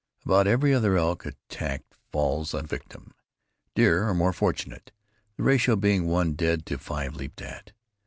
About every other elk attacked falls a victim. Deer are more fortunate, the ratio being one dead to five leaped at.